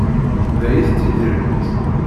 Da i tettidiremt?